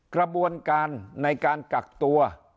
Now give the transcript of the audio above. กระบวนการในการกักตัว